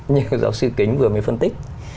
như giáo sư kính vừa mới phân tích